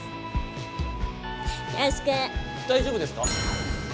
大丈夫ですか？